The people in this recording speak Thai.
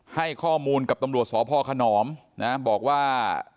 ให้ข้อมูลกับตำรวจสพขนอมนะบอกว่า